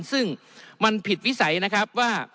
ซึ่งมันผิดวิสัยนะครับว่า